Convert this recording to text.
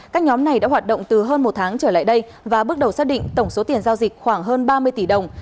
các nhóm này đã hoạt động từ hơn một tháng trở lại đây và bước đầu xác định tổng số tiền giao dịch khoảng hơn ba mươi tỷ đồng